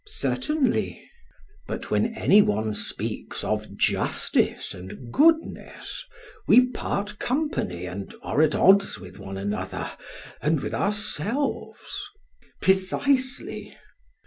PHAEDRUS: Certainly. SOCRATES: But when any one speaks of justice and goodness we part company and are at odds with one another and with ourselves? PHAEDRUS: Precisely.